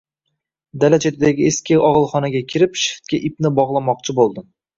Dala chetidagi eski og`ilxonaga kirib, shiftga ipni bog`lamoqchi bo`ldim